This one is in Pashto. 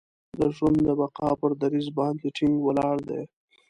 د ژوند د بقا پر دریځ باندې ټینګ ولاړ دی.